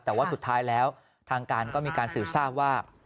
แต่ว่าสุดท้ายแล้วทางการก็มีการสืบทราบว่า